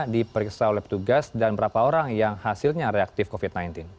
diperiksa oleh petugas dan berapa orang yang hasilnya reaktif covid sembilan belas